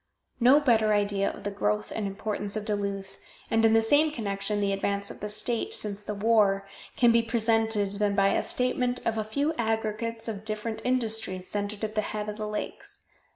No better idea of the growth and importance of Duluth, and, in the same connection, the advance of the state, since the war, can be presented than by a statement of a few aggregates of different industries centered at the head of the lakes.